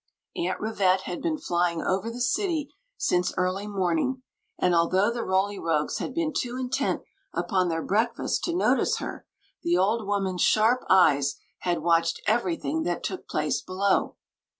Aunt Rivette had been flying over the city since early morning; and although the Roly Rogues had been too intent upon their breakfast to notice her, the old woman's sharp eyes had watched everything that took place below.